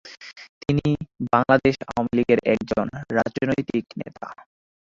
তিনি বাংলাদেশ আওয়ামীলীগ এর একজন রাজনৈতিক নেতা।